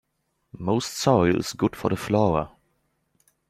Moist soil is good for the flora.